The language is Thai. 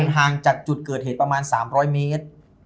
ห่างจากจุดเกิดเหตุประมาณ๓๐๐เมตร